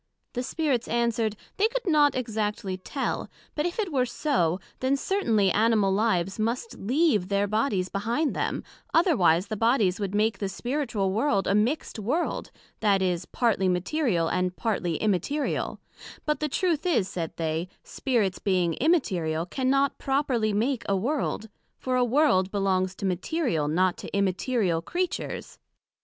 The Spirits answered, They could not exactly tell; but if it were so, then certainly Animal lives must leave their bodies behind them, otherwise the bodies would make the spiritual World a mixt World, that is, partly material, and partly immaterial; but the Truth is, said they, Spirits being immaterial, cannot properly make a World; for a World belongs to material, not to immaterial Creatures.